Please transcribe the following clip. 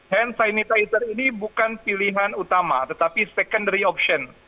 hand sanitizer ini bukan pilihan utama tetapi secondary option